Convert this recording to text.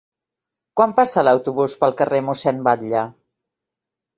Quan passa l'autobús pel carrer Mossèn Batlle?